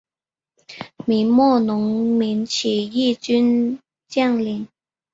明末农民起义军将领。